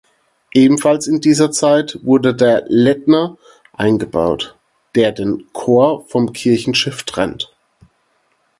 Ebenfalls in dieser Zeit wurde der Lettner eingebaut, der den Chor vom Kirchenschiff trennt.